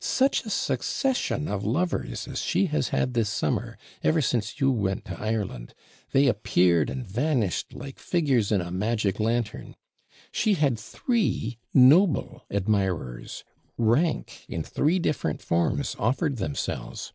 Such a succession of lovers as she has had this summer, ever since you went to Ireland they appeared and vanished like figures in a magic lantern. She had three noble admirers rank in three different forms offered themselves.